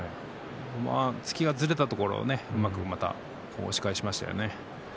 突きがずれたところをうまく押し返しましたよね。